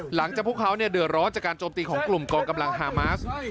หลังจากพวกเขาเนี่ยเดือดร้อนจากการโจมตีของกลุ่มกำลังฮามัส